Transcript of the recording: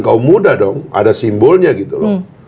kaum muda dong ada simbolnya gitu loh